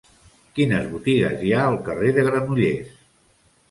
Quines botigues hi ha al carrer de Granollers?